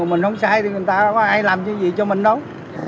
mình không sai thì người ta có ai làm gì cho mình đâu